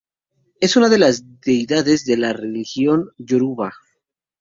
Es una de las Deidades de la Religión yoruba.